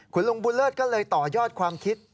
คุณลุงบุญเลิศก็เลยต่อยอดความคิด